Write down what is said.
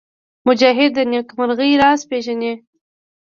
مجاهد د نېکمرغۍ راز پېژني.